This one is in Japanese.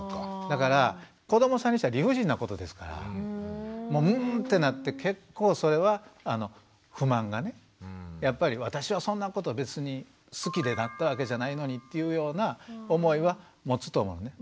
だから子どもさんにしたら理不尽なことですからもうんってなって結構それは不満がねやっぱり私はそんなこと別に好きでなったわけじゃないのにというような思いは持つと思うのね。